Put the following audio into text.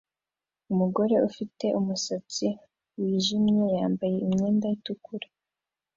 Umugore ufite umusatsi wijimye yambaye imyenda itukura